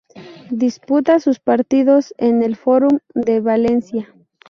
Disputa sus partidos en el Forum de Valencia.